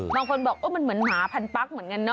บางคนบอกมันเหมือนหมาพันปั๊กเหมือนกันเนอ